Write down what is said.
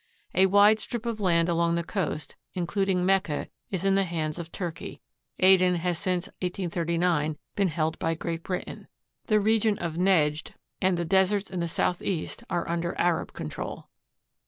A wide strip of land along the coast, including Mecca, is in the hands of Turkey. Aden has since 1839 been held by Great Britain. The region of Nejd and the deserts in the southeast are under Arab control.